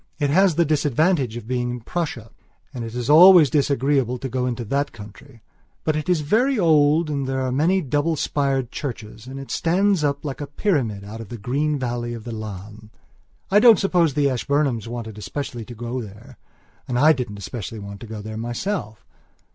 It has the disadvantage of being in Prussia; and it is always disagreeable to go into that country; but it is very old and there are many double spired churches and it stands up like a pyramid out of the green valley of the Lahn. I don't suppose the Ashburnhams wanted especially to go there and I didn't especially want to go there myself.